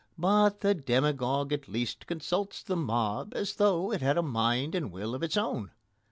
But the demagogue at least consults the mob as though it had a mind and will of its own.